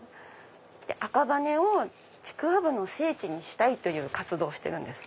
赤羽をちくわぶの聖地にしたいという活動をしてるんです。